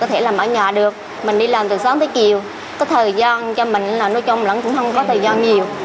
có thời gian cho mình là nói chung là cũng không có thời gian nhiều